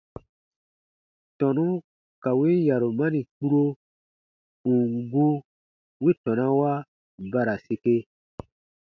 Tɔnu ka win yarumani kpuro, ù n gu, wi tɔnawa ba ra sike.